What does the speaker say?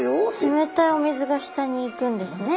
冷たいお水が下に行くんですね。